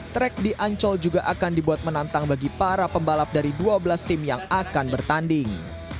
track di ancol juga akan dibuat menantang bagi para pembalap dari dua belas tim yang akan bertanding